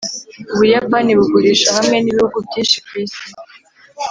ubuyapani bugurisha hamwe nibihugu byinshi kwisi.